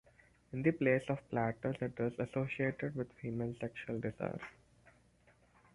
In the plays of Plautus it is associated with female sexual desire.